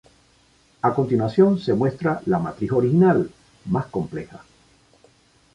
A continuación se muestra la matriz original, más compleja.